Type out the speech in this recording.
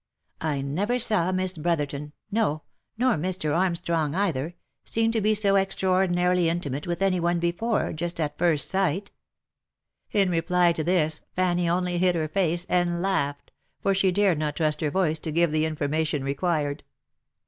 I never saw Miss Brotherton — no! nor Mr. Armstrong either — seem to be so extraordinarily intimate with any one before, just at first sight." In reply to this Fanny only hid her face, and laughed, for she dared not trust her voice to give the information required. OF MICHAEL ARMSTRONG.